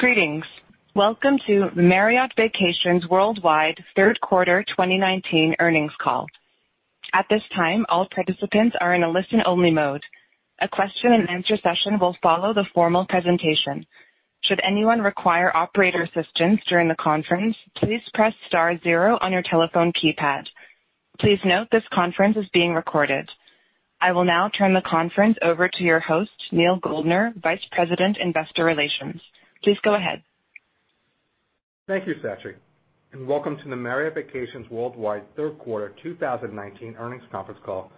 Greetings. Welcome to Marriott Vacations Worldwide third quarter 2019 earnings call. At this time, all participants are in a listen-only mode. A question and answer session will follow the formal presentation. Should anyone require operator assistance during the conference, please press star zero on your telephone keypad. Please note this conference is being recorded. I will now turn the conference over to your host, Neal Goldner, Vice President, Investor Relations. Please go ahead. Thank you, Sachi, and welcome to the Marriott Vacations Worldwide third quarter 2019 earnings conference call.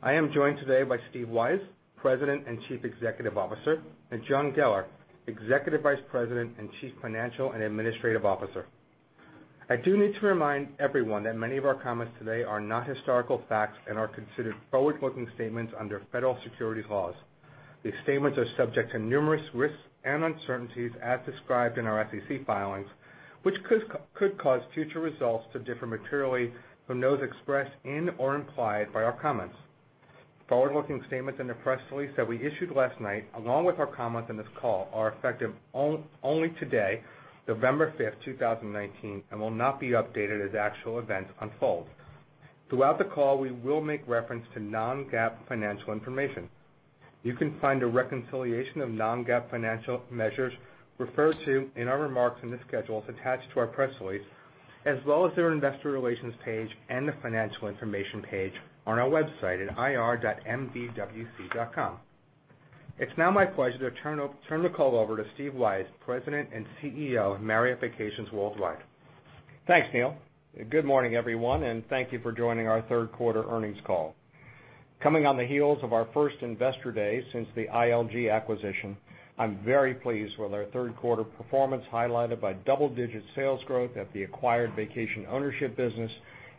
I am joined today by Steve Weisz, President and Chief Executive Officer, and John Geller, Executive Vice President and Chief Financial and Administrative Officer. I do need to remind everyone that many of our comments today are not historical facts and are considered forward-looking statements under federal securities laws. These statements are subject to numerous risks and uncertainties as described in our SEC filings, which could cause future results to differ materially from those expressed in or implied by our comments. Forward-looking statements in the press release that we issued last night, along with our comments on this call, are effective only today, November fifth, 2019, and will not be updated as actual events unfold. Throughout the call, we will make reference to non-GAAP financial information. You can find a reconciliation of non-GAAP financial measures referred to in our remarks in the schedules attached to our press release, as well as in our investor relations page and the financial information page on our website at ir.mvwc.com. It's now my pleasure to turn the call over to Steve Weisz, President and CEO of Marriott Vacations Worldwide. Thanks, Neal. Good morning, everyone, and thank you for joining our third quarter earnings call. Coming on the heels of our first investor day since the ILG acquisition, I'm very pleased with our third quarter performance, highlighted by double-digit sales growth at the acquired vacation ownership business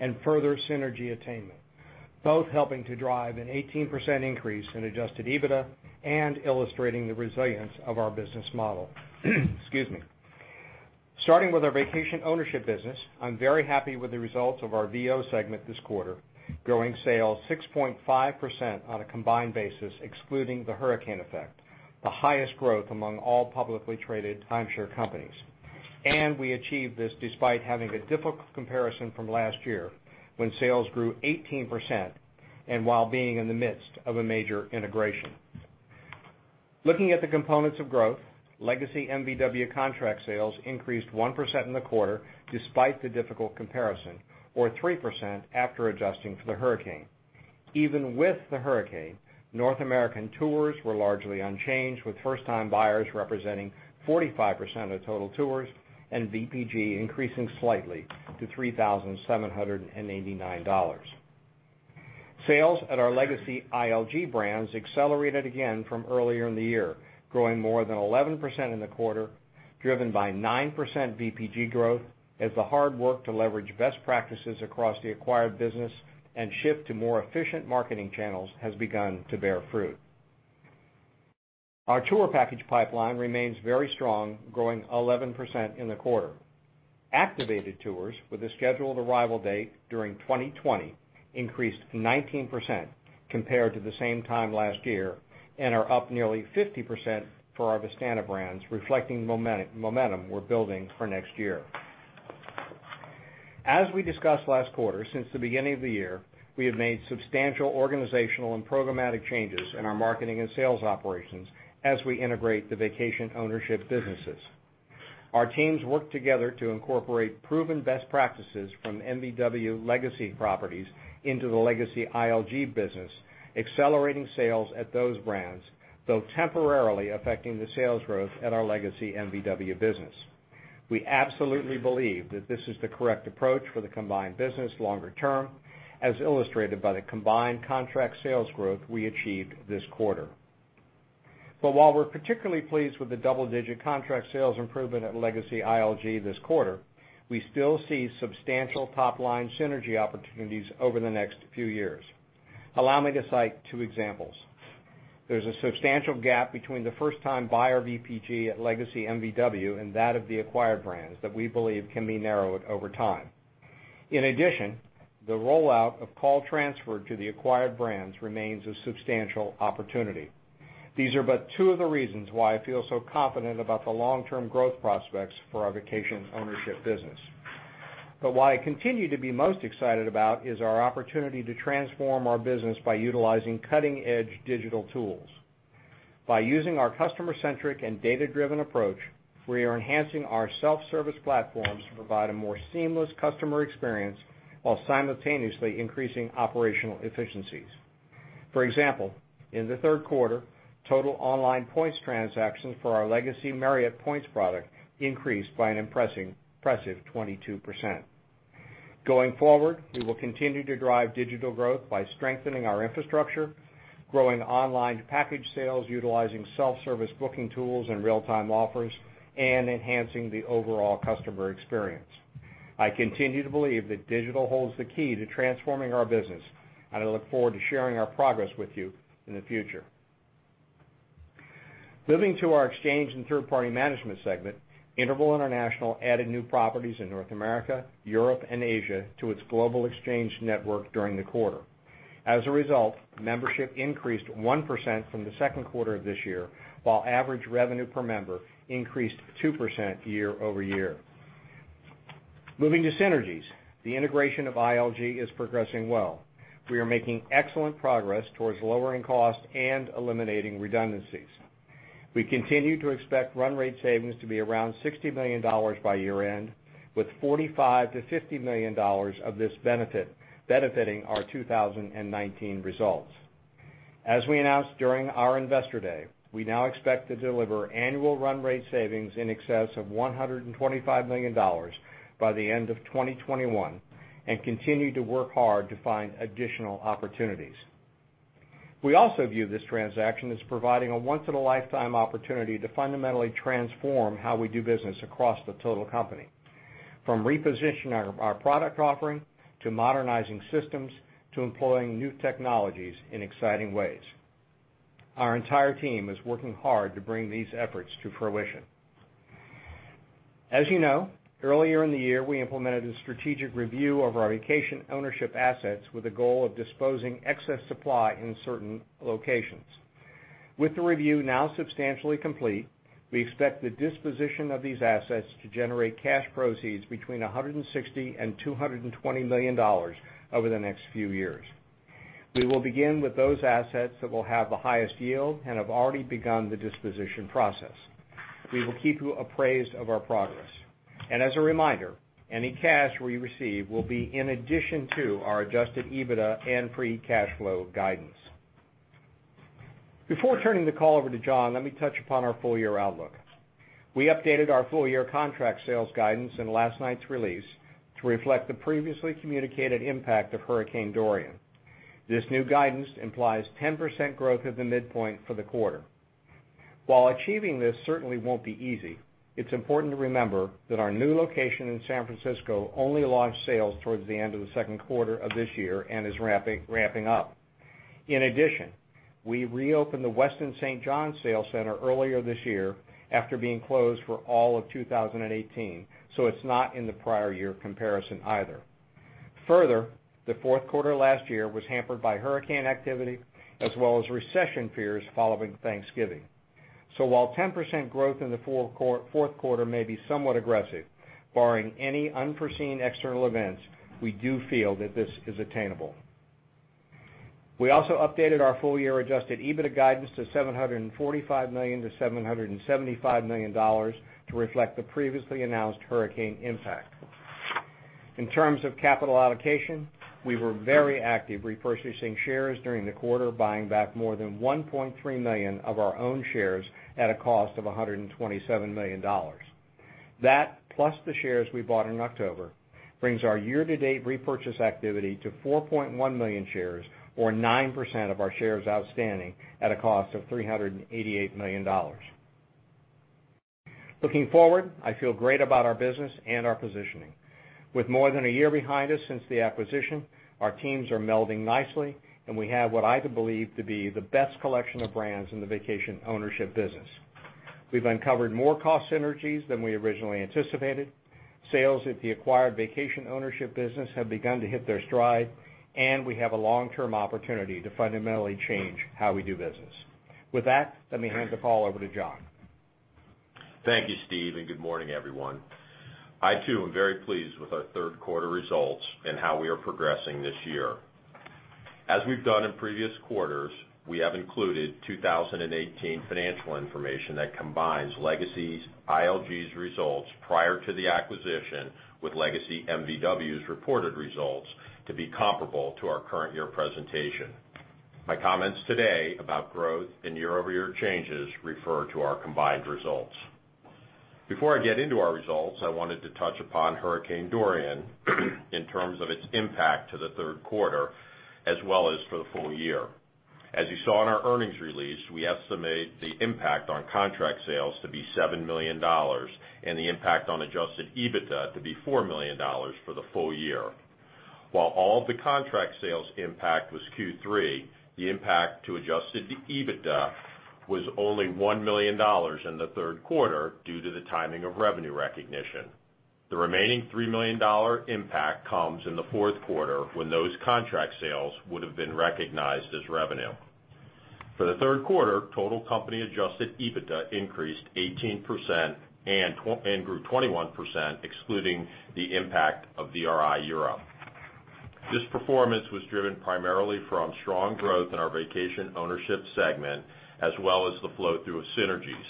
and further synergy attainment. Both helping to drive an 18% increase in adjusted EBITDA and illustrating the resilience of our business model. Excuse me. Starting with our vacation ownership business, I'm very happy with the results of our VO segment this quarter, growing sales 6.5% on a combined basis excluding the hurricane effect, the highest growth among all publicly traded timeshare companies. We achieved this despite having a difficult comparison from last year when sales grew 18%, and while being in the midst of a major integration. Looking at the components of growth, legacy MVW contract sales increased 1% in the quarter despite the difficult comparison, or 3% after adjusting for the Hurricane. Even with the Hurricane, North American tours were largely unchanged, with first-time buyers representing 45% of total tours and VPG increasing slightly to $3,789. Sales at our legacy ILG brands accelerated again from earlier in the year, growing more than 11% in the quarter, driven by 9% VPG growth as the hard work to leverage best practices across the acquired business and shift to more efficient marketing channels has begun to bear fruit. Our tour package pipeline remains very strong, growing 11% in the quarter. Activated tours with a scheduled arrival date during 2020 increased 19% compared to the same time last year and are up nearly 50% for our Vistana brands, reflecting momentum we're building for next year. As we discussed last quarter, since the beginning of the year, we have made substantial organizational and programmatic changes in our marketing and sales operations as we integrate the vacation ownership businesses. Our teams worked together to incorporate proven best practices from MVW legacy properties into the legacy ILG business, accelerating sales at those brands, though temporarily affecting the sales growth at our legacy MVW business. We absolutely believe that this is the correct approach for the combined business longer term, as illustrated by the combined contract sales growth we achieved this quarter. While we're particularly pleased with the double-digit contract sales improvement at legacy ILG this quarter, we still see substantial top-line synergy opportunities over the next few years. Allow me to cite two examples. There's a substantial gap between the first-time buyer VPG at legacy MVW and that of the acquired brands that we believe can be narrowed over time. In addition, the rollout of call transfer to the acquired brands remains a substantial opportunity. These are but two of the reasons why I feel so confident about the long-term growth prospects for our vacation ownership business. What I continue to be most excited about is our opportunity to transform our business by utilizing cutting-edge digital tools. By using our customer-centric and data-driven approach, we are enhancing our self-service platforms to provide a more seamless customer experience while simultaneously increasing operational efficiencies. For example, in the third quarter, total online points transactions for our legacy Marriott points product increased by an impressive 22%. Going forward, we will continue to drive digital growth by strengthening our infrastructure, growing online package sales utilizing self-service booking tools and real-time offers, and enhancing the overall customer experience. I continue to believe that digital holds the key to transforming our business, and I look forward to sharing our progress with you in the future. Moving to our exchange and third-party management segment, Interval International added new properties in North America, Europe, and Asia to its global exchange network during the quarter. As a result, membership increased 1% from the second quarter of this year, while average revenue per member increased 2% year-over-year. Moving to synergies, the integration of ILG is progressing well. We are making excellent progress towards lowering costs and eliminating redundancies. We continue to expect run rate savings to be around $60 million by year-end, with $45 million-$50 million of this benefiting our 2019 results. As we announced during our investor day, we now expect to deliver annual run rate savings in excess of $125 million by the end of 2021 and continue to work hard to find additional opportunities. We also view this transaction as providing a once-in-a-lifetime opportunity to fundamentally transform how we do business across the total company, from repositioning our product offering, to modernizing systems, to employing new technologies in exciting ways. Our entire team is working hard to bring these efforts to fruition. As you know, earlier in the year, we implemented a strategic review of our vacation ownership assets with a goal of disposing excess supply in certain locations. With the review now substantially complete, we expect the disposition of these assets to generate cash proceeds between $160 million and $220 million over the next few years. We will begin with those assets that will have the highest yield and have already begun the disposition process. We will keep you appraised of our progress. As a reminder, any cash we receive will be in addition to our adjusted EBITDA and free cash flow guidance. Before turning the call over to John, let me touch upon our full-year outlook. We updated our full-year contract sales guidance in last night's release to reflect the previously communicated impact of Hurricane Dorian. This new guidance implies 10% growth at the midpoint for the quarter. While achieving this certainly won't be easy, it's important to remember that our new location in San Francisco only launched sales towards the end of the second quarter of this year and is ramping up. In addition, we reopened the Westin St. John Sales Center earlier this year after being closed for all of 2018, so it's not in the prior year comparison either. Further, the fourth quarter last year was hampered by hurricane activity as well as recession fears following Thanksgiving. While 10% growth in the fourth quarter may be somewhat aggressive, barring any unforeseen external events, we do feel that this is attainable. We also updated our full-year adjusted EBITDA guidance to $745 million-$775 million to reflect the previously announced hurricane impact. In terms of capital allocation, we were very active repurchasing shares during the quarter, buying back more than 1.3 million of our own shares at a cost of $127 million. That, plus the shares we bought in October, brings our year-to-date repurchase activity to 4.1 million shares, or 9% of our shares outstanding at a cost of $388 million. Looking forward, I feel great about our business and our positioning. With more than one year behind us since the acquisition, our teams are melding nicely, and we have what I believe to be the best collection of brands in the vacation ownership business. We've uncovered more cost synergies than we originally anticipated. Sales at the acquired vacation ownership business have begun to hit their stride, and we have a long-term opportunity to fundamentally change how we do business. With that, let me hand the call over to John. Thank you, Steve. Good morning, everyone. I, too, am very pleased with our third quarter results and how we are progressing this year. As we've done in previous quarters, we have included 2018 financial information that combines Legacy ILG's results prior to the acquisition with Legacy MVW's reported results to be comparable to our current year presentation. My comments today about growth and year-over-year changes refer to our combined results. Before I get into our results, I wanted to touch upon Hurricane Dorian in terms of its impact to the third quarter as well as for the full year. As you saw in our earnings release, we estimate the impact on contract sales to be $7 million and the impact on adjusted EBITDA to be $4 million for the full year. While all of the contract sales impact was Q3, the impact to adjusted EBITDA was only $1 million in the third quarter due to the timing of revenue recognition. The remaining $3 million impact comes in the fourth quarter when those contract sales would have been recognized as revenue. For the third quarter, total company adjusted EBITDA increased 18% and grew 21%, excluding the impact of VRI Europe. This performance was driven primarily from strong growth in our vacation ownership segment, as well as the flow-through of synergies.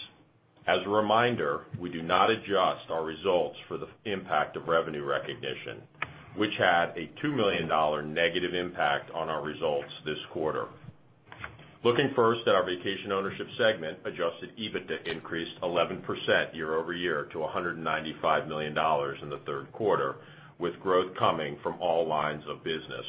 As a reminder, we do not adjust our results for the impact of revenue recognition, which had a $2 million negative impact on our results this quarter. Looking first at our vacation ownership segment, adjusted EBITDA increased 11% year-over-year to $195 million in the third quarter, with growth coming from all lines of business.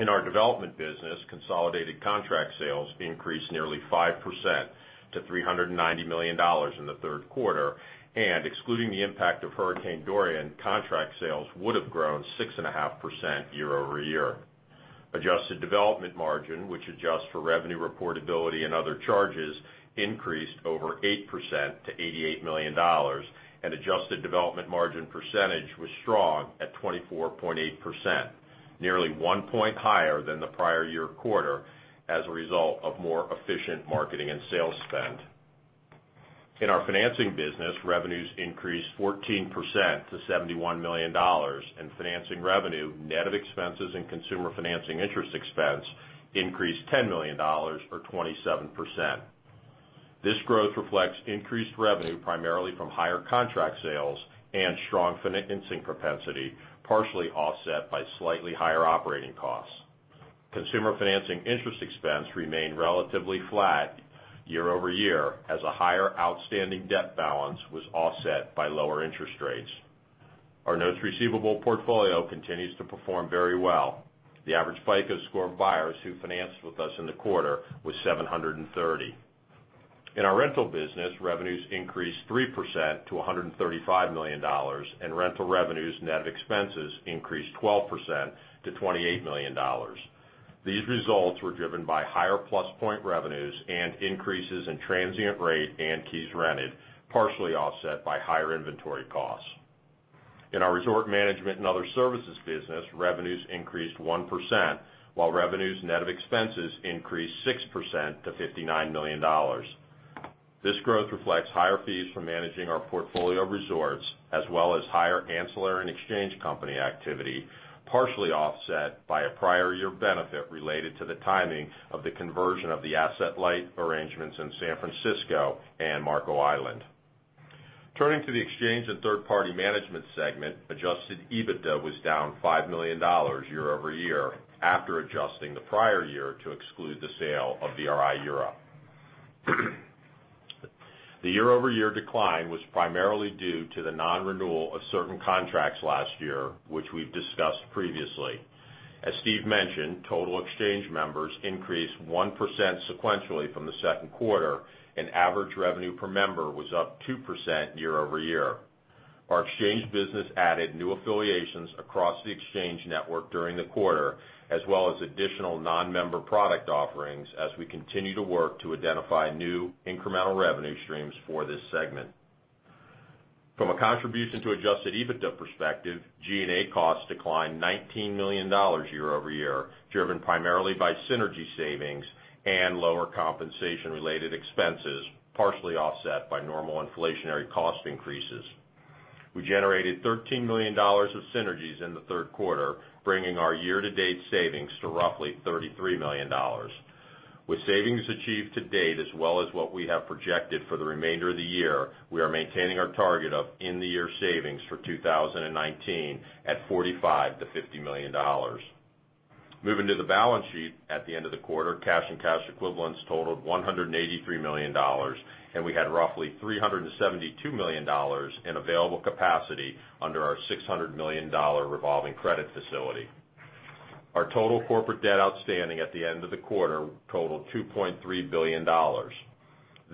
In our development business, consolidated contract sales increased nearly 5% to $390 million in the third quarter. Excluding the impact of Hurricane Dorian, contract sales would have grown 6.5% year-over-year. Adjusted development margin, which adjusts for revenue reportability and other charges, increased over 8% to $88 million. Adjusted development margin percentage was strong at 24.8%, nearly one point higher than the prior year quarter as a result of more efficient marketing and sales spend. In our financing business, revenues increased 14% to $71 million. Financing revenue, net of expenses and consumer financing interest expense increased $10 million or 27%. This growth reflects increased revenue primarily from higher contract sales and strong financing propensity, partially offset by slightly higher operating costs. Consumer financing interest expense remained relatively flat year-over-year as a higher outstanding debt balance was offset by lower interest rates. Our notes receivable portfolio continues to perform very well. The average FICO score of buyers who financed with us in the quarter was 730. In our rental business, revenues increased 3% to $135 million, and rental revenues net of expenses increased 12% to $28 million. These results were driven by higher Plus Points revenues and increases in transient rate and keys rented, partially offset by higher inventory costs. In our resort management and other services business, revenues increased 1%, while revenues net of expenses increased 6% to $59 million. This growth reflects higher fees from managing our portfolio of resorts, as well as higher ancillary and exchange company activity, partially offset by a prior year benefit related to the timing of the conversion of the asset light arrangements in San Francisco and Marco Island. Turning to the exchange and third-party management segment, adjusted EBITDA was down $5 million year-over-year after adjusting the prior year to exclude the sale of VRI Europe. The year-over-year decline was primarily due to the non-renewal of certain contracts last year, which we've discussed previously. As Steve mentioned, total exchange members increased 1% sequentially from the second quarter, and average revenue per member was up 2% year-over-year. Our exchange business added new affiliations across the exchange network during the quarter, as well as additional non-member product offerings as we continue to work to identify new incremental revenue streams for this segment. From a contribution to adjusted EBITDA perspective, G&A costs declined $19 million year-over-year, driven primarily by synergy savings and lower compensation-related expenses, partially offset by normal inflationary cost increases. We generated $13 million of synergies in the third quarter, bringing our year-to-date savings to roughly $33 million. With savings achieved to date, as well as what we have projected for the remainder of the year, we are maintaining our target of in the year savings for 2019 at $45 million-$50 million. Moving to the balance sheet at the end of the quarter, cash and cash equivalents totaled $183 million, and we had roughly $372 million in available capacity under our $600 million revolving credit facility. Our total corporate debt outstanding at the end of the quarter totaled $2.3 billion.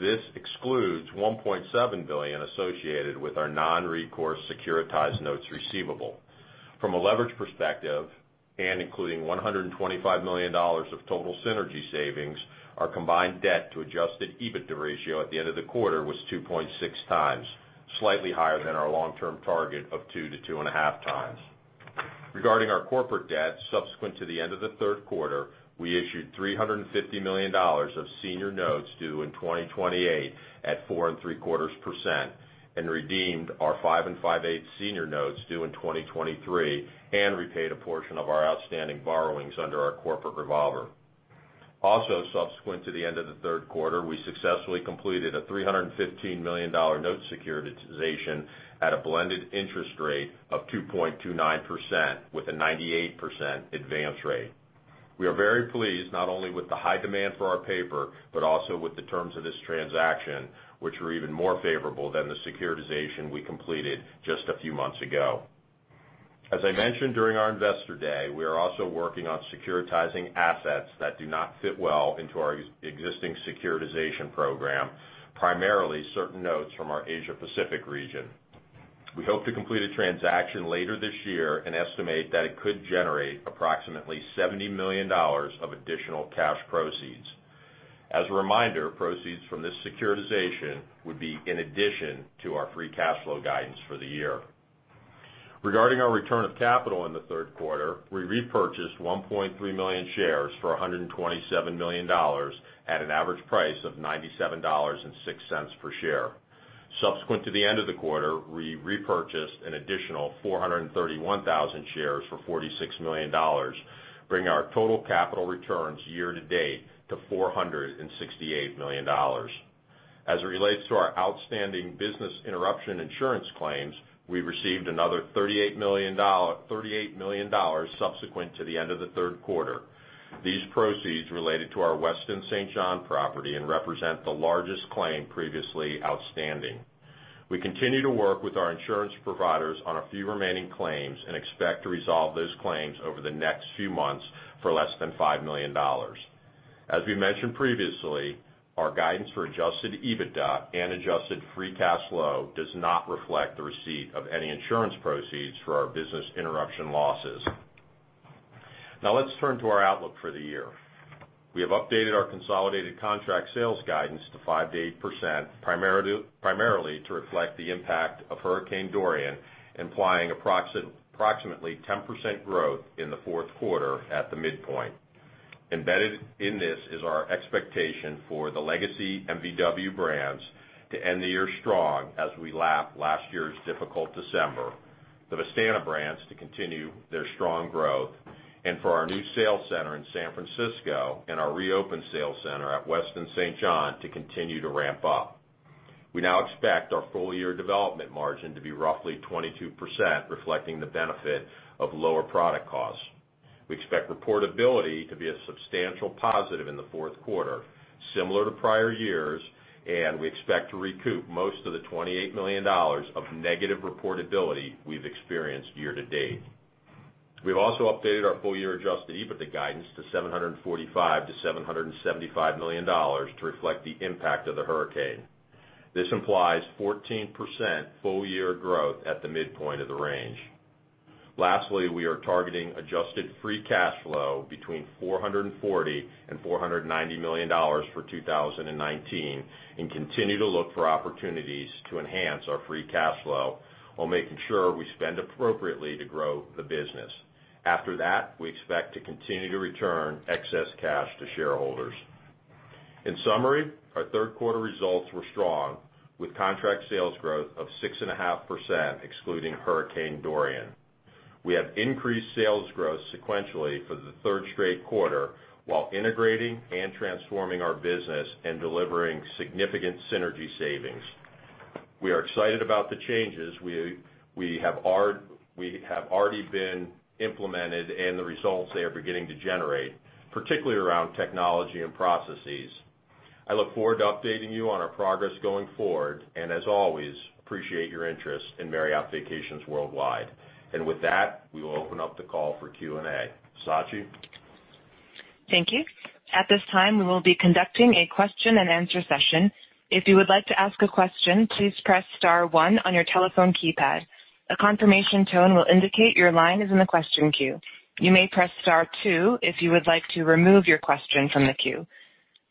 This excludes $1.7 billion associated with our non-recourse securitized notes receivable. From a leverage perspective, and including $125 million of total synergy savings, our combined debt to adjusted EBITDA ratio at the end of the quarter was 2.6 times, slightly higher than our long-term target of 2 to 2.5 times. Regarding our corporate debt, subsequent to the end of the third quarter, we issued $350 million of senior notes due in 2028 at 4.75%, and redeemed our 5.625% senior notes due in 2023, and repaid a portion of our outstanding borrowings under our corporate revolver. Also subsequent to the end of the third quarter, we successfully completed a $315 million note securitization at a blended interest rate of 2.29% with a 98% advance rate. We are very pleased, not only with the high demand for our paper, but also with the terms of this transaction, which were even more favorable than the securitization we completed just a few months ago. As I mentioned during our investor day, we are also working on securitizing assets that do not fit well into our existing securitization program, primarily certain notes from our Asia Pacific region. We hope to complete a transaction later this year and estimate that it could generate approximately $70 million of additional cash proceeds. As a reminder, proceeds from this securitization would be in addition to our free cash flow guidance for the year. Regarding our return of capital in the third quarter, we repurchased 1.3 million shares for $127 million at an average price of $97.06 per share. Subsequent to the end of the quarter, we repurchased an additional 431,000 shares for $46 million, bringing our total capital returns year to date to $468 million. As it relates to our outstanding business interruption insurance claims, we received another $38 million subsequent to the end of the third quarter. These proceeds related to our Westin St. John property and represent the largest claim previously outstanding. We continue to work with our insurance providers on a few remaining claims and expect to resolve those claims over the next few months for less than $5 million. As we mentioned previously, our guidance for adjusted EBITDA and adjusted free cash flow does not reflect the receipt of any insurance proceeds for our business interruption losses. Now let's turn to our outlook for the year. We have updated our consolidated contract sales guidance to 5%-8%, primarily to reflect the impact of Hurricane Dorian, implying approximately 10% growth in the fourth quarter at the midpoint. Embedded in this is our expectation for the legacy MVW brands to end the year strong as we lap last year's difficult December, the Vistana brands to continue their strong growth, and for our new sales center in San Francisco and our reopened sales center at Westin St. John to continue to ramp up. We now expect our full-year development margin to be roughly 22%, reflecting the benefit of lower product costs. We expect reportability to be a substantial positive in the fourth quarter, similar to prior years, and we expect to recoup most of the $28 million of negative reportability we've experienced year to date. We've also updated our full-year adjusted EBITDA guidance to $745 million-$775 million to reflect the impact of Hurricane Dorian. This implies 14% full-year growth at the midpoint of the range. Lastly, we are targeting adjusted free cash flow between $440 million and $490 million for 2019, and continue to look for opportunities to enhance our free cash flow while making sure we spend appropriately to grow the business. After that, we expect to continue to return excess cash to shareholders. In summary, our third quarter results were strong, with contract sales growth of 6.5% excluding Hurricane Dorian. We have increased sales growth sequentially for the third straight quarter while integrating and transforming our business and delivering significant synergy savings. We are excited about the changes we have already been implemented and the results they are beginning to generate, particularly around technology and processes. I look forward to updating you on our progress going forward, and as always, appreciate your interest in Marriott Vacations Worldwide. With that, we will open up the call for Q&A. Sachi? Thank you. At this time, we will be conducting a question and answer session. If you would like to ask a question, please press *1 on your telephone keypad. A confirmation tone will indicate your line is in the question queue. You may press *2 if you would like to remove your question from the queue.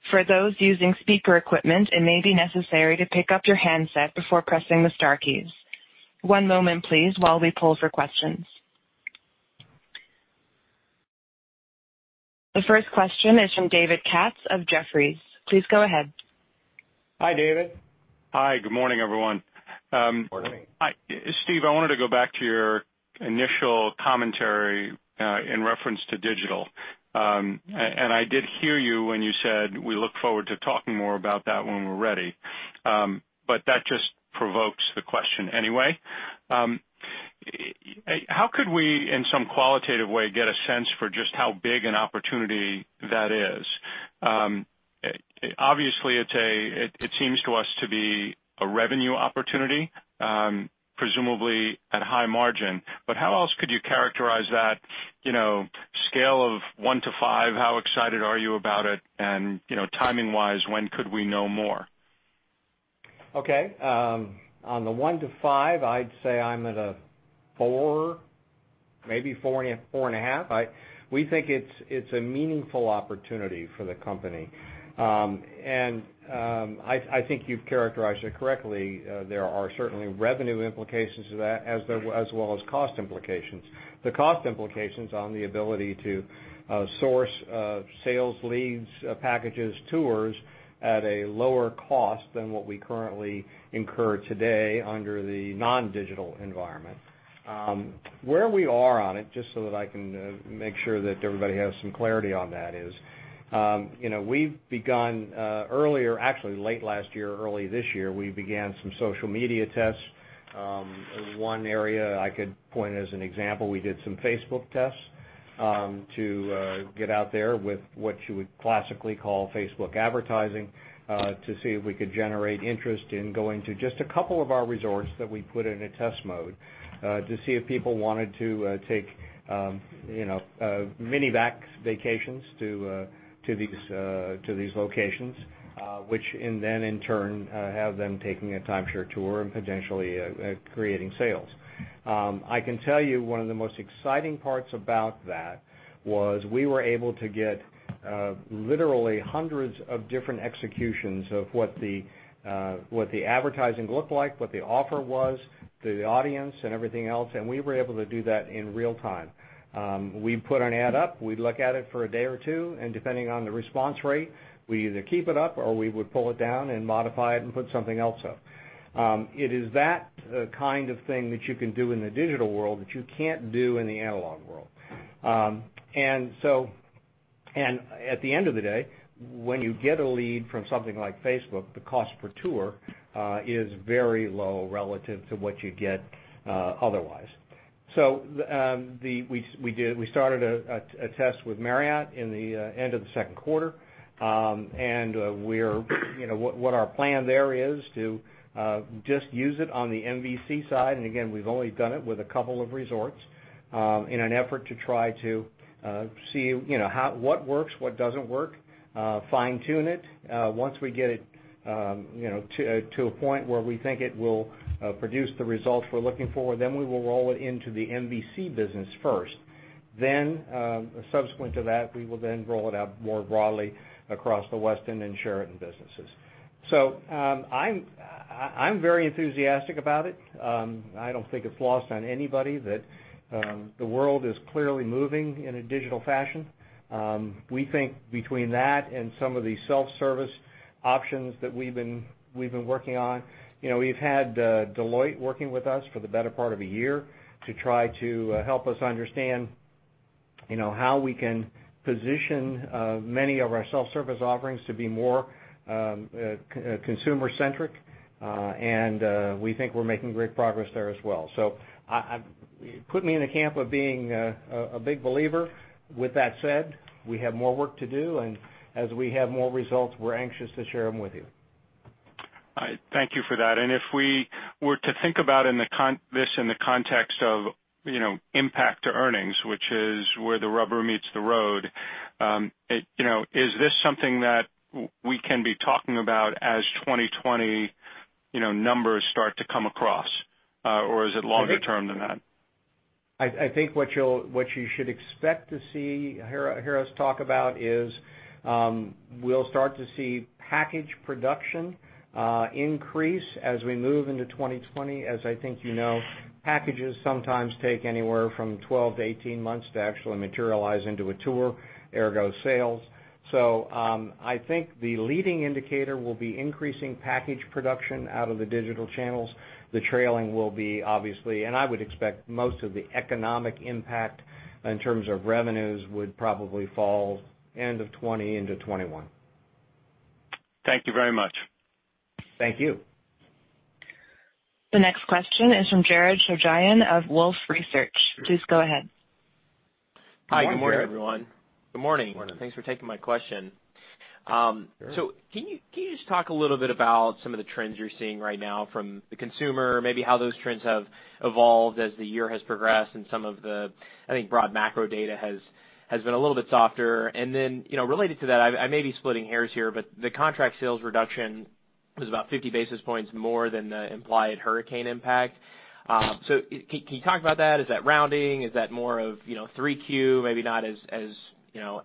For those using speaker equipment, it may be necessary to pick up your handset before pressing the star keys. One moment, please, while we poll for questions. The first question is from David Katz of Jefferies. Please go ahead. Hi, David. Hi. Good morning, everyone. Morning. Steve, I wanted to go back to your initial commentary in reference to digital. I did hear you when you said we look forward to talking more about that when we're ready. That just provokes the question anyway. How could we, in some qualitative way, get a sense for just how big an opportunity that is? Obviously, it seems to us to be a revenue opportunity, presumably at high margin. How else could you characterize that scale of one to five? How excited are you about it? Timing-wise, when could we know more? Okay. On the one to five, I'd say I'm at a four, maybe four and a half. We think it's a meaningful opportunity for the company. I think you've characterized it correctly. There are certainly revenue implications to that, as well as cost implications. The cost implications on the ability to source sales leads, packages, tours at a lower cost than what we currently incur today under the non-digital environment. Where we are on it, just so that I can make sure that everybody has some clarity on that is, we've begun actually late last year or early this year, we began some social media tests. One area I could point as an example, we did some Facebook tests to get out there with what you would classically call Facebook advertising to see if we could generate interest in going to just a couple of our resorts that we put in a test mode to see if people wanted to take mini vac vacations to these locations which then in turn have them taking a timeshare tour and potentially creating sales. I can tell you one of the most exciting parts about that was we were able to get literally hundreds of different executions of what the advertising looked like, what the offer was, the audience and everything else, and we were able to do that in real time. We put an ad up, we'd look at it for a day or two, and depending on the response rate, we either keep it up or we would pull it down and modify it and put something else up. It is that kind of thing that you can do in the digital world that you can't do in the analog world. At the end of the day, when you get a lead from something like Facebook, the cost per tour is very low relative to what you get otherwise. We started a test with Marriott in the end of the second quarter. What our plan there is to just use it on the MVC side. Again, we've only done it with a couple of resorts in an effort to try to see what works, what doesn't work, fine tune it. Once we get it to a point where we think it will produce the results we're looking for, then we will roll it into the MVC business first. Subsequent to that, we will then roll it out more broadly across the Westin and Sheraton businesses. I'm very enthusiastic about it. I don't think it's lost on anybody that the world is clearly moving in a digital fashion. We think between that and some of the self-service options that we've been working on, we've had Deloitte working with us for the better part of a year to try to help us understand how we can position many of our self-service offerings to be more consumer-centric. We think we're making great progress there as well. Put me in the camp of being a big believer. With that said, we have more work to do, and as we have more results, we're anxious to share them with you. All right, thank you for that. If we were to think about this in the context of impact to earnings, which is where the rubber meets the road, is this something that we can be talking about as 2020 numbers start to come across? Or is it longer term than that? I think what you should expect to hear us talk about is we'll start to see package production increase as we move into 2020. As I think you know, packages sometimes take anywhere from 12 to 18 months to actually materialize into a tour, ergo sales. I think the leading indicator will be increasing package production out of the digital channels. The trailing will be obviously, and I would expect most of the economic impact in terms of revenues would probably fall end of 2020 into 2021. Thank you very much. Thank you. The next question is from Jared Shojaian of Wolfe Research. Please go ahead. Good morning. Hi, good morning everyone. Good morning. Morning. Thanks for taking my question. Sure. Can you just talk a little bit about some of the trends you're seeing right now from the consumer, maybe how those trends have evolved as the year has progressed and some of the, I think broad macro data has been a little bit softer. Related to that, I may be splitting hairs here, but the contract sales reduction was about 50 basis points more than the implied hurricane impact. Can you talk about that? Is that rounding? Is that more of 3Q maybe not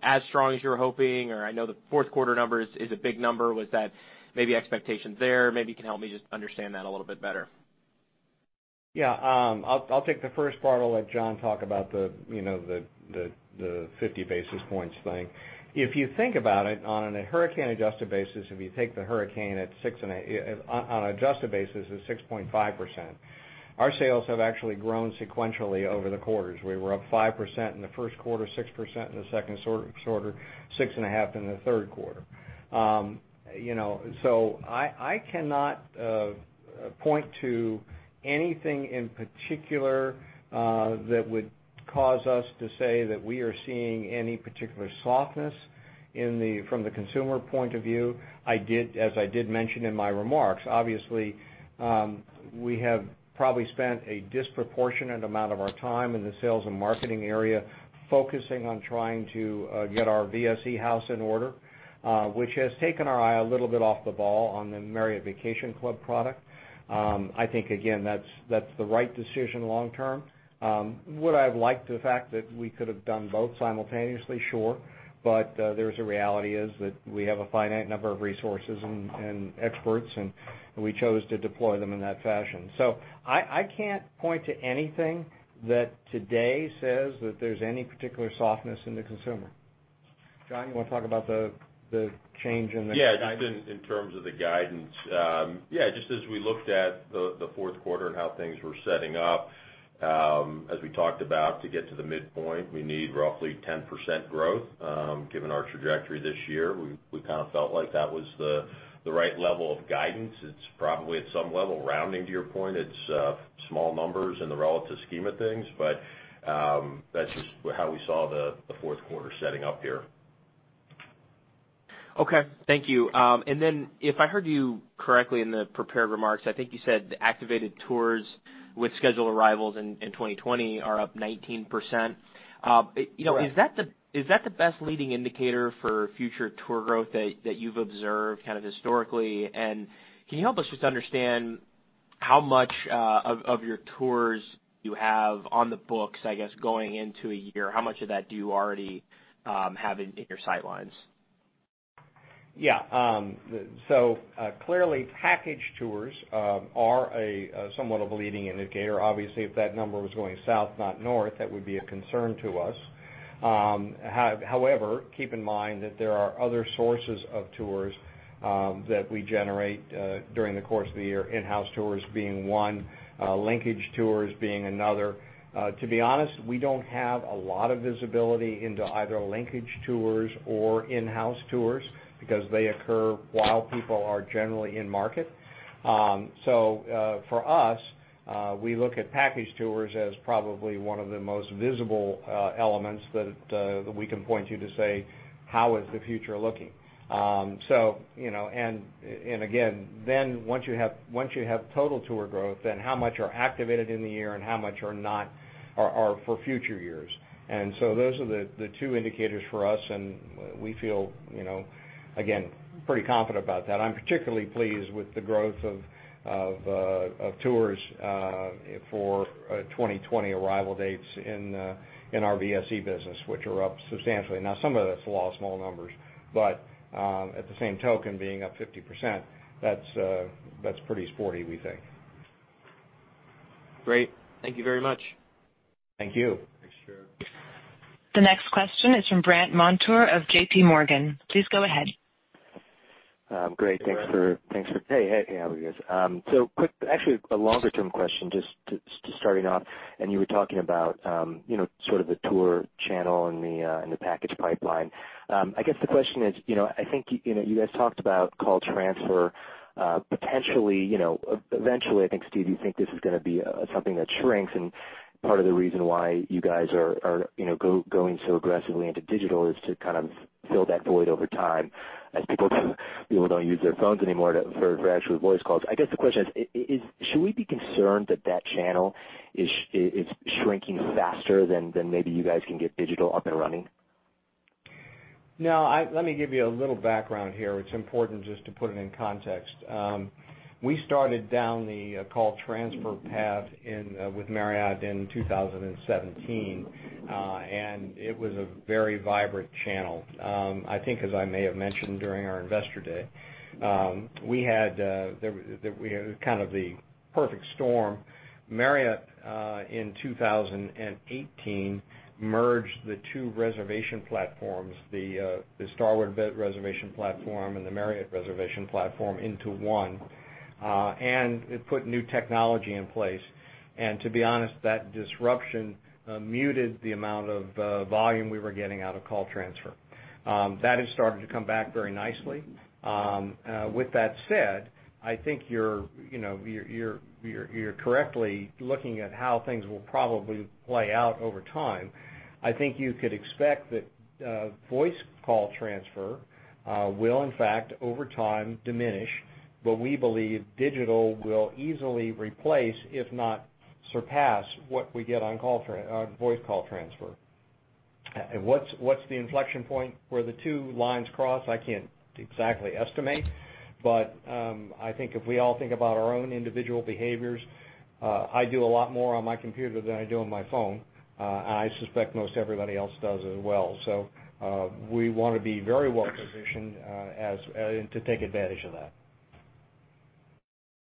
as strong as you were hoping, or I know the fourth quarter number is a big number. Was that maybe expectations there? Maybe you can help me just understand that a little bit better. I'll take the first part. I'll let John talk about the 50 basis points thing. If you think about it on a hurricane adjusted basis, if you take the hurricane on adjusted basis is 6.5%, our sales have actually grown sequentially over the quarters. We were up 5% in the first quarter, 6% in the second quarter, 6.5% in the third quarter. I cannot point to anything in particular that would cause us to say that we are seeing any particular softness from the consumer point of view. As I did mention in my remarks, obviously, we have probably spent a disproportionate amount of our time in the sales and marketing area focusing on trying to get our VSE house in order, which has taken our eye a little bit off the ball on the Marriott Vacation Club product. I think, again, that's the right decision long term. Would I have liked the fact that we could have done both simultaneously? Sure. There's a reality is that we have a finite number of resources and experts and we chose to deploy them in that fashion. I can't point to anything that today says that there's any particular softness in the consumer. John, you want to talk about the change in the guidance? Yeah, just in terms of the guidance. Yeah, just as we looked at the fourth quarter and how things were setting up, as we talked about to get to the midpoint, we need roughly 10% growth, given our trajectory this year, we felt like that was the right level of guidance. It's probably at some level rounding to your point. It's small numbers in the relative scheme of things, that's just how we saw the fourth quarter setting up here. Okay. Thank you. If I heard you correctly in the prepared remarks, I think you said the activated tours with scheduled arrivals in 2020 are up 19%. Correct. Is that the best leading indicator for future tour growth that you've observed historically? Can you help us just understand how much of your tours you have on the books, I guess, going into a year? How much of that do you already have in your sight lines? Clearly package tours are somewhat of a leading indicator. Obviously, if that number was going south, not north, that would be a concern to us. However, keep in mind that there are other sources of tours that we generate during the course of the year, in-house tours being one, linkage tours being another. To be honest, we don't have a lot of visibility into either linkage tours or in-house tours because they occur while people are generally in market. For us, we look at package tours as probably one of the most visible elements that we can point to say how is the future looking? Once you have total tour growth, then how much are activated in the year and how much are not for future years. Those are the two indicators for us and we feel, again, pretty confident about that. I'm particularly pleased with the growth of tours for 2020 arrival dates in our VSE business, which are up substantially. Some of that's the law of small numbers, but at the same token, being up 50%, that's pretty sporty we think. Great. Thank you very much. Thank you. Thanks, Jared. The next question is from Brandt Montour of J.P. Morgan. Please go ahead. Great. Hey, how are you guys? Quick, actually, a longer term question, just starting off, and you were talking about the tour channel and the package pipeline. I guess the question is, I think you guys talked about call transfer potentially, eventually, I think, Steve, you think this is going to be something that shrinks and part of the reason why you guys are going so aggressively into digital is to fill that void over time as people don't use their phones anymore for actual voice calls. I guess the question is, should we be concerned that that channel is shrinking faster than maybe you guys can get digital up and running? No, let me give you a little background here. It's important just to put it in context. We started down the call transfer path with Marriott in 2017, and it was a very vibrant channel. I think as I may have mentioned during our investor day, we had kind of the perfect storm. Marriott, in 2018, merged the two reservation platforms, the Starwood reservation platform and the Marriott reservation platform into one, and it put new technology in place. To be honest, that disruption muted the amount of volume we were getting out of call transfer. That has started to come back very nicely. With that said, I think you're correctly looking at how things will probably play out over time. I think you could expect that voice call transfer will in fact, over time, diminish, but we believe digital will easily replace, if not surpass, what we get on voice call transfer. What's the inflection point where the two lines cross? I can't exactly estimate, but I think if we all think about our own individual behaviors, I do a lot more on my computer than I do on my phone. I suspect most everybody else does as well. We want to be very well positioned to take advantage of that.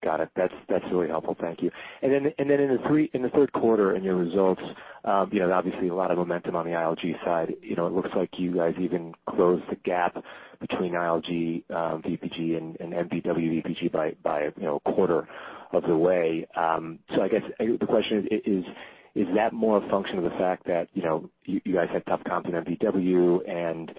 Got it. That's really helpful. Thank you. In the third quarter, in your results, obviously a lot of momentum on the ILG side. It looks like you guys even closed the gap between ILG VPG and MVW VPG by a quarter of the way. I guess the question is that more a function of the fact that you guys had tough comps in MVW and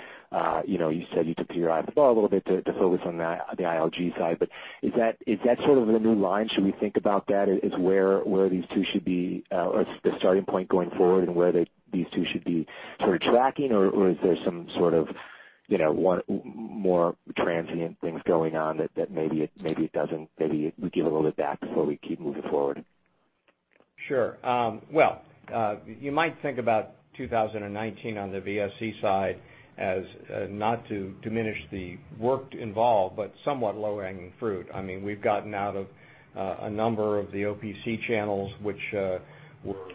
you said you took your eye off the ball a little bit to focus on the ILG side. Is that sort of the new line? Should we think about that as where these two should be, or the starting point going forward and where these two should be sort of tracking, or is there some sort of more transient things going on that maybe it would give a little bit back before we keep moving forward? Sure. Well, you might think about 2019 on the VSE side as, not to diminish the work involved, but somewhat low hanging fruit. We've gotten out of a number of the OPC channels, which were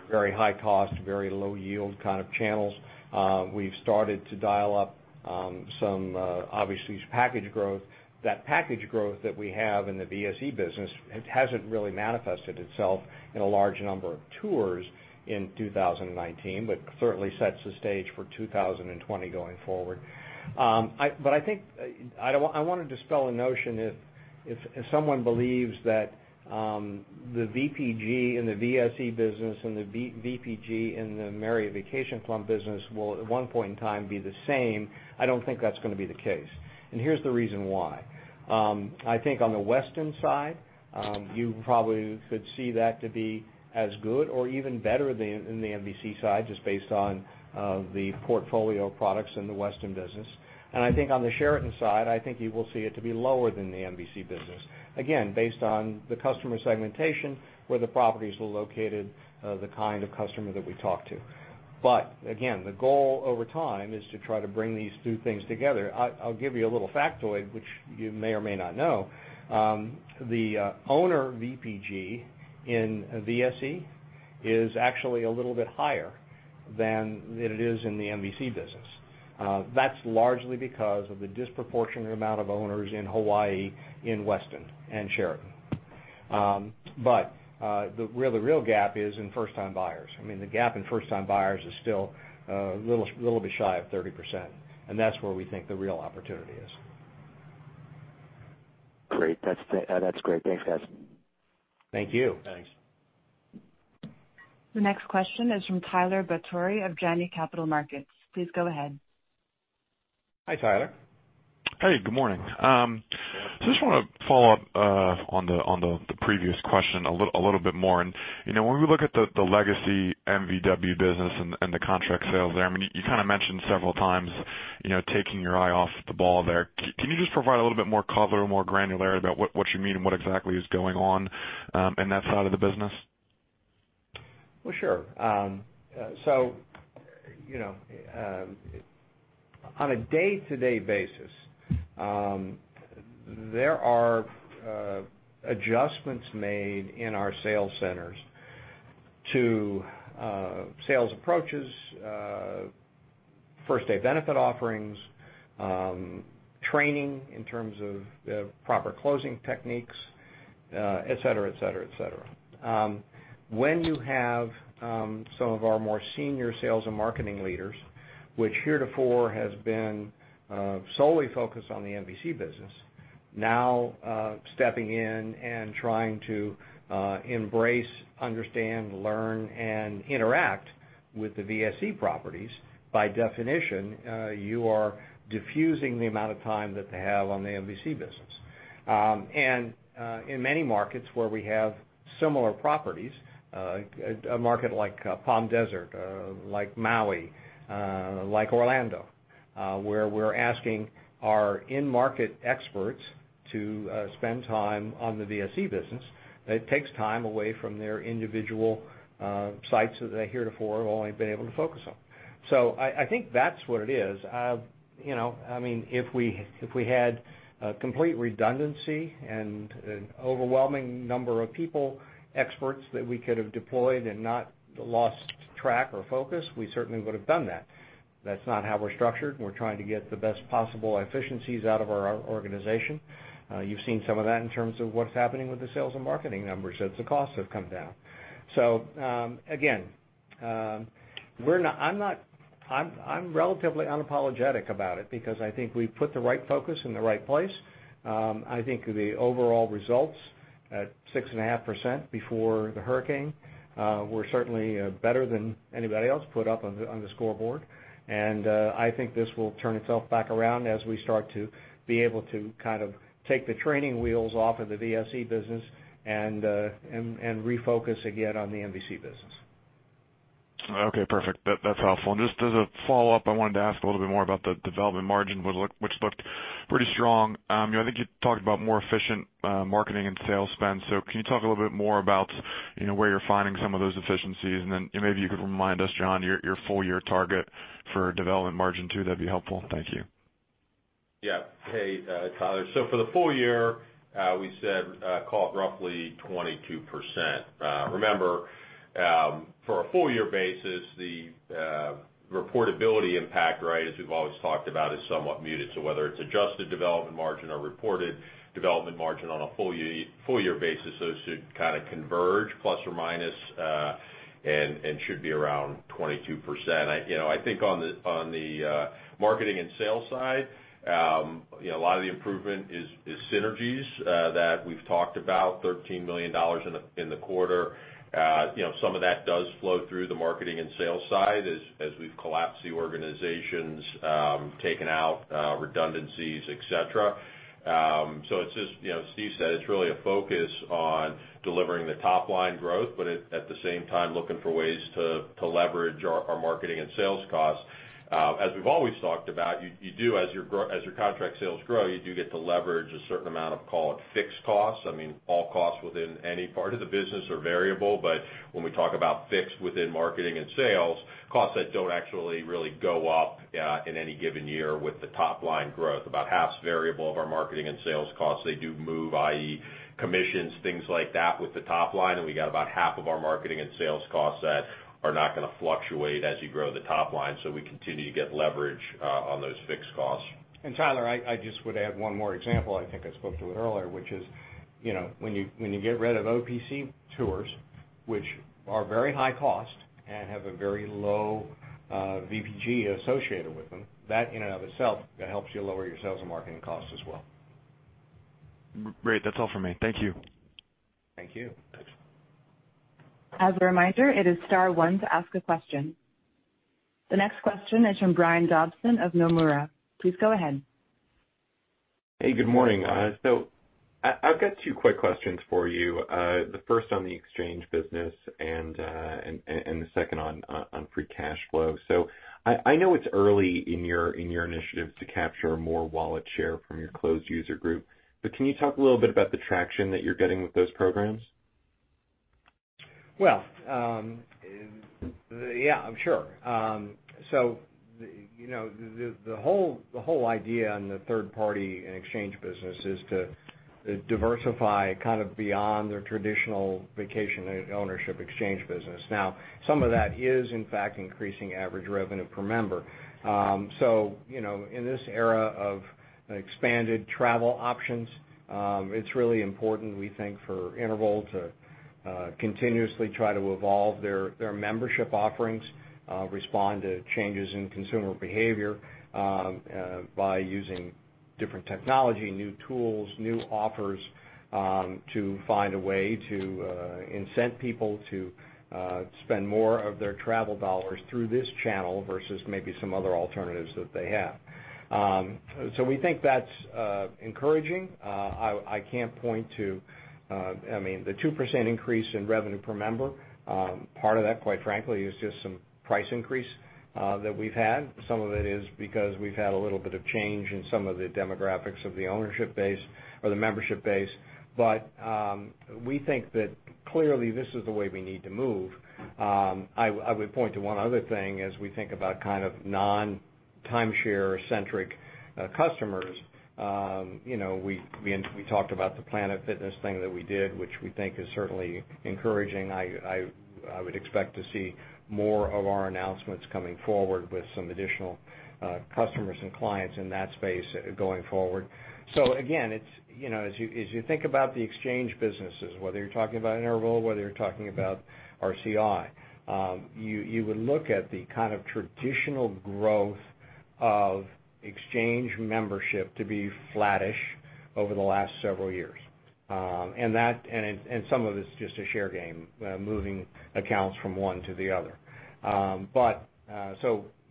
very high cost, very low yield kind of channels. We've started to dial up some, obviously, package growth. That package growth that we have in the VSE business, it hasn't really manifested itself in a large number of tours in 2019, but certainly sets the stage for 2020 going forward. I think I want to dispel a notion if someone believes that the VPG in the VSE business and the VPG in the Marriott Vacation Club business will at one point in time be the same, I don't think that's going to be the case. Here's the reason why. I think on the Westin side, you probably could see that to be as good or even better than in the MVC side, just based on the portfolio of products in the Westin business. I think on the Sheraton side, I think you will see it to be lower than the MVC business. Again, based on the customer segmentation, where the properties are located, the kind of customer that we talk to. Again, the goal over time is to try to bring these two things together. I'll give you a little factoid, which you may or may not know. The owner VPG in VSE is actually a little bit higher than it is in the MVC business. That's largely because of the disproportionate amount of owners in Hawaii in Westin and Sheraton. Where the real gap is in first time buyers. The gap in first time buyers is still a little bit shy of 30%, and that's where we think the real opportunity is. Great. That's great. Thanks, guys. Thank you. Thanks. The next question is from Tyler Batory of Janney Capital Markets. Please go ahead. Hi, Tyler. Hey, good morning. I just want to follow up on the previous question a little bit more. When we look at the legacy MVW business and the contract sales there, you kind of mentioned several times taking your eye off the ball there. Can you just provide a little bit more color or more granularity about what you mean and what exactly is going on in that side of the business? Well, sure. On a day-to-day basis, there are adjustments made in our sales centers to sales approaches, first-day benefit offerings, training in terms of the proper closing techniques, et cetera. When you have some of our more senior sales and marketing leaders, which heretofore has been solely focused on the MVC business, now stepping in and trying to embrace, understand, learn, and interact with the VSE properties, by definition, you are diffusing the amount of time that they have on the MVC business. In many markets where we have similar properties, a market like Palm Desert, like Maui, like Orlando, where we're asking our in-market experts to spend time on the VSE business, that takes time away from their individual sites that they heretofore have only been able to focus on. I think that's what it is. If we had complete redundancy and an overwhelming number of people, experts that we could have deployed and not lost track or focus, we certainly would have done that. That's not how we're structured, and we're trying to get the best possible efficiencies out of our organization. You've seen some of that in terms of what's happening with the sales and marketing numbers, as the costs have come down. Again, I'm relatively unapologetic about it because I think we put the right focus in the right place. I think the overall results at 6.5% before the hurricane were certainly better than anybody else put up on the scoreboard. I think this will turn itself back around as we start to be able to take the training wheels off of the VSE business and refocus again on the MVC business. Okay, perfect. That's helpful. Just as a follow-up, I wanted to ask a little bit more about the development margin, which looked pretty strong. I think you talked about more efficient marketing and sales spend. Can you talk a little bit more about where you're finding some of those efficiencies? Then maybe you could remind us, John, your full-year target for development margin too? That'd be helpful. Thank you. Hey, Tyler. For the full year, we said call it roughly 22%. Remember, for a full year basis, the reportability impact, as we've always talked about, is somewhat muted. Whether it's adjusted development margin or reported development margin on a full year basis, those two kind of converge plus or minus and should be around 22%. I think on the marketing and sales side, a lot of the improvement is synergies that we've talked about, $13 million in the quarter. Some of that does flow through the marketing and sales side as we've collapsed the organizations, taken out redundancies, et cetera. As Steve said, it's really a focus on delivering the top-line growth, at the same time, looking for ways to leverage our marketing and sales costs. As we've always talked about, as your contract sales grow, you do get to leverage a certain amount of, call it fixed costs. All costs within any part of the business are variable, but when we talk about fixed within marketing and sales, costs that don't actually really go up in any given year with the top-line growth. About half is variable of our marketing and sales costs, they do move, i.e., commissions, things like that with the top-line, and we got about half of our marketing and sales costs that are not going to fluctuate as you grow the top-line. We continue to get leverage on those fixed costs. Tyler, I just would add one more example. I think I spoke to it earlier, which is when you get rid of OPC tours, which are very high cost and have a very low VPG associated with them, that in and of itself, helps you lower your sales and marketing costs as well. Great. That's all for me. Thank you. Thank you. Thanks. As a reminder, it is star one to ask a question. The next question is from Brian Dobson of Nomura. Please go ahead. Hey, good morning. I've got two quick questions for you. The first on the exchange business and the second on free cash flow. I know it's early in your initiative to capture more wallet share from your closed user group, can you talk a little bit about the traction that you're getting with those programs? Well, yeah. Sure. The whole idea on the third party and exchange business is to diversify beyond their traditional vacation ownership exchange business. Some of that is in fact increasing average revenue per member. In this era of expanded travel options, it's really important, we think, for Interval to continuously try to evolve their membership offerings, respond to changes in consumer behavior by using different technology, new tools, new offers to find a way to incent people to spend more of their travel dollars through this channel versus maybe some other alternatives that they have. We think that's encouraging. I can't point to the 2% increase in revenue per member. Part of that, quite frankly, is just some price increase that we've had. Some of it is because we've had a little bit of change in some of the demographics of the ownership base or the membership base. We think that clearly this is the way we need to move. I would point to one other thing as we think about non-timeshare centric customers. We talked about the Planet Fitness thing that we did, which we think is certainly encouraging. I would expect to see more of our announcements coming forward with some additional customers and clients in that space going forward. Again, as you think about the exchange businesses, whether you're talking about Interval, whether you're talking about RCI, you would look at the kind of traditional growth of exchange membership to be flattish over the last several years. Some of it's just a share game, moving accounts from one to the other.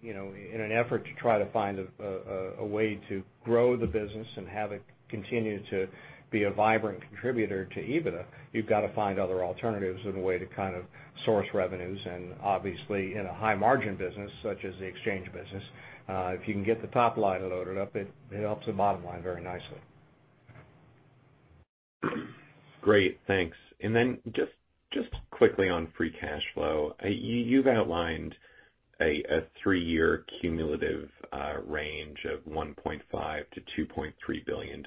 In an effort to try to find a way to grow the business and have it continue to be a vibrant contributor to EBITDA, you've got to find other alternatives and a way to source revenues and obviously in a high margin business such as the exchange business, if you can get the top line loaded up, it helps the bottom line very nicely. Great, thanks. Just quickly on free cash flow. You've outlined a three-year cumulative range of $1.5 billion-$2.3 billion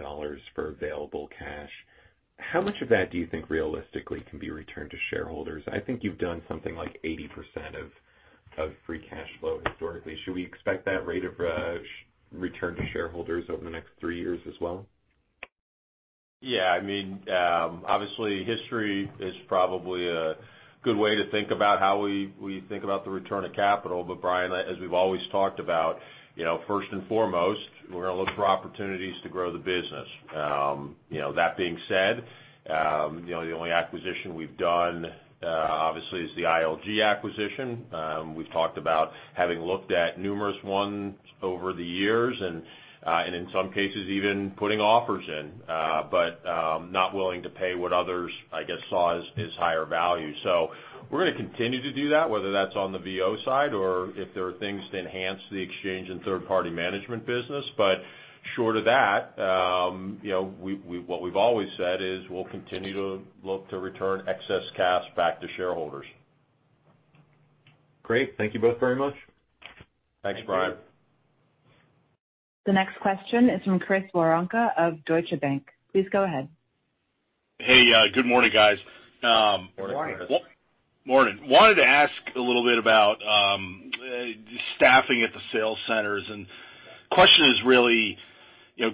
for available cash. How much of that do you think realistically can be returned to shareholders? I think you've done something like 80% of free cash flow historically. Should we expect that rate of return to shareholders over the next three years as well? Yeah. Obviously history is probably a good way to think about how we think about the return of capital. Brian, as we've always talked about, first and foremost, we're going to look for opportunities to grow the business. That being said, the only acquisition we've done obviously is the ILG acquisition. We've talked about having looked at numerous ones over the years and in some cases even putting offers in but not willing to pay what others, I guess, saw as higher value. We're going to continue to do that, whether that's on the VO side or if there are things to enhance the exchange and third party management business. Short of that what we've always said is we'll continue to look to return excess cash back to shareholders. Great. Thank you both very much. Thanks, Brian. Thank you. The next question is from Chris Woronka of Deutsche Bank. Please go ahead. Hey, good morning, guys. Good morning. Morning. Morning. Wanted to ask a little bit about the staffing at the sales centers, and question is really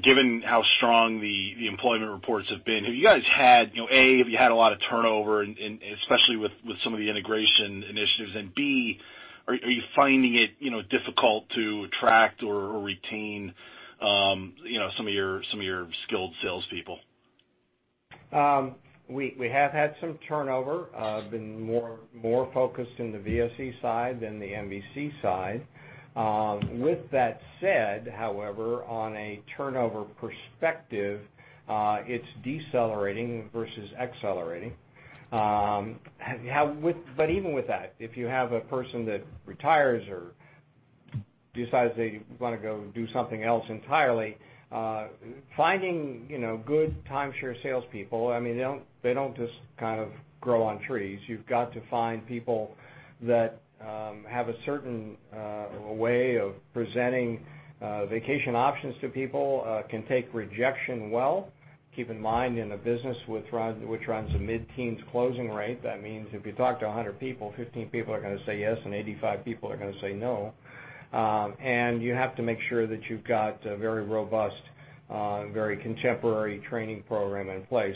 given how strong the employment reports have been, have you guys had, A, have you had a lot of turnover and especially with some of the integration initiatives and B, are you finding it difficult to attract or retain some of your skilled salespeople? We have had some turnover, been more focused in the VSE side than the Marriott Vacation Club side. With that said, however, on a turnover perspective, it's decelerating versus accelerating. Even with that, if you have a person that retires or decides they want to go do something else entirely, finding good timeshare salespeople, they don't just kind of grow on trees. You've got to find people that have a certain way of presenting vacation options to people, can take rejection well. Keep in mind in a business which runs a mid-teens closing rate, that means if you talk to 100 people, 15 people are going to say yes and 85 people are going to say no. You have to make sure that you've got a very robust, very contemporary training program in place.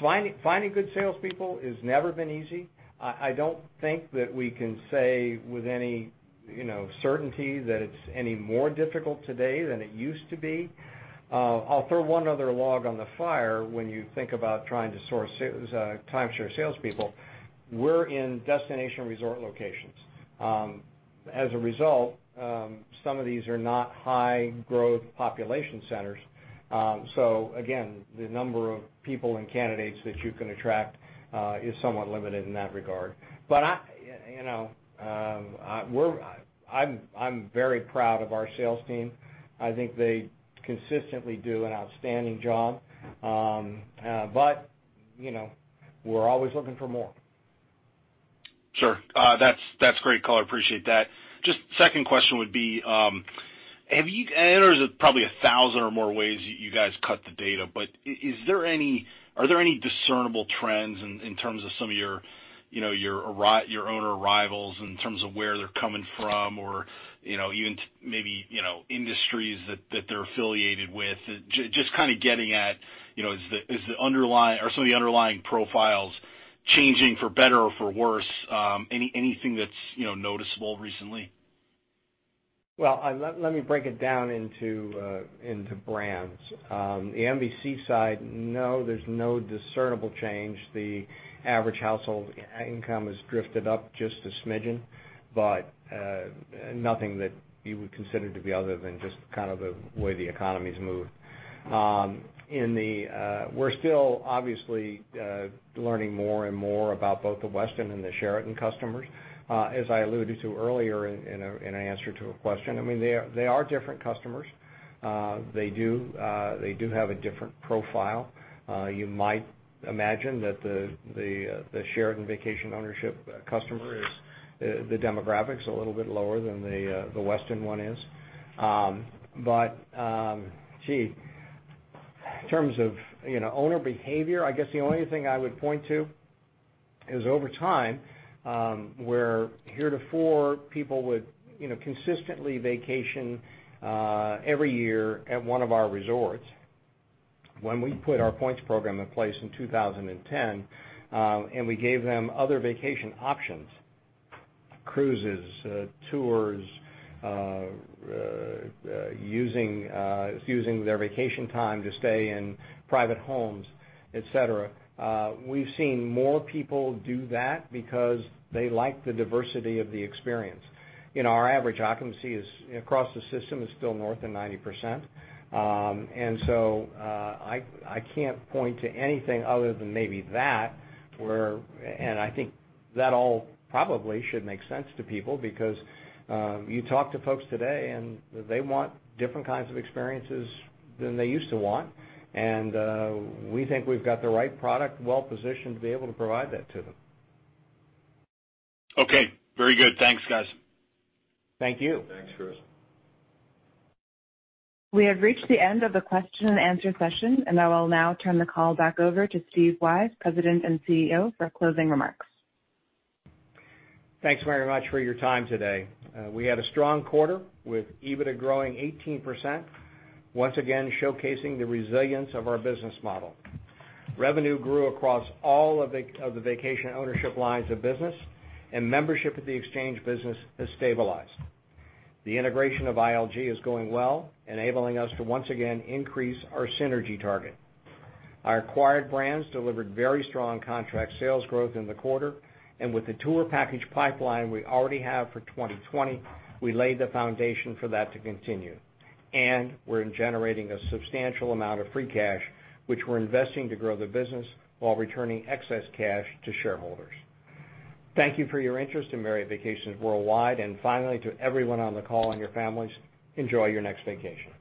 Finding good salespeople has never been easy. I don't think that we can say with any certainty that it's any more difficult today than it used to be. I'll throw one other log on the fire when you think about trying to source timeshare salespeople. We're in destination resort locations. Some of these are not high growth population centers. Again, the number of people and candidates that you can attract is somewhat limited in that regard. I'm very proud of our sales team. I think they consistently do an outstanding job. We're always looking for more. Sure. That's great color, appreciate that. Just second question would be there's probably 1,000 or more ways you guys cut the data, but are there any discernible trends in terms of some of your owner arrivals in terms of where they're coming from or even maybe industries that they're affiliated with? Just kind of getting at are some of the underlying profiles changing for better or for worse? Anything that's noticeable recently? Let me break it down into brands. The MVC side, no, there's no discernible change. The average household income has drifted up just a smidgen, but nothing that you would consider to be other than just kind of the way the economy's moved. We're still obviously learning more and more about both the Westin and the Sheraton customers. As I alluded to earlier in answer to a question, they are different customers. They do have a different profile. You might imagine that the Sheraton vacation ownership customer is the demographics a little bit lower than the Westin one is. In terms of owner behavior, I guess the only thing I would point to is over time, where heretofore people would consistently vacation every year at one of our resorts. When we put our points program in place in 2010, and we gave them other vacation options, cruises, tours, using their vacation time to stay in private homes, et cetera, we've seen more people do that because they like the diversity of the experience. Our average occupancy across the system is still north of 90%. So I can't point to anything other than maybe that. And I think that all probably should make sense to people because you talk to folks today, and they want different kinds of experiences than they used to want. We think we've got the right product well-positioned to be able to provide that to them. Okay. Very good. Thanks, guys. Thank you. Thanks, Chris. We have reached the end of the question and answer session, and I will now turn the call back over to Steve Weisz, President and CEO, for closing remarks. Thanks very much for your time today. We had a strong quarter with EBITDA growing 18%, once again showcasing the resilience of our business model. Revenue grew across all of the vacation ownership lines of business, and membership at the exchange business has stabilized. The integration of ILG is going well, enabling us to once again increase our synergy target. Our acquired brands delivered very strong contract sales growth in the quarter, and with the tour package pipeline we already have for 2020, we laid the foundation for that to continue. We're generating a substantial amount of free cash, which we're investing to grow the business while returning excess cash to shareholders. Thank you for your interest in Marriott Vacations Worldwide. Finally, to everyone on the call and your families, enjoy your next vacation